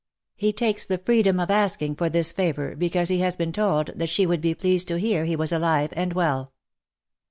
He takes the freedom of asking for this favour, because he has been told that she would be pleased to hear he was alive and well."